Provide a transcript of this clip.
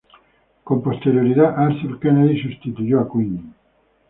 Con posterioridad Arthur Kennedy sustituyó a Quinn.